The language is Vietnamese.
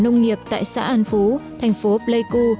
nông nghiệp tại xã an phú thành phố pleiku